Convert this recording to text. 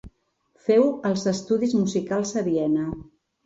Feu els estudis musicals a Viena.